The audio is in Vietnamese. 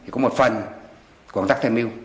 có một phần của công tác thêm mưu